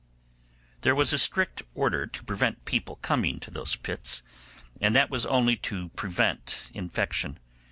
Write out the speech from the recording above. There was a strict order to prevent people coming to those pits, and that was only to prevent infection.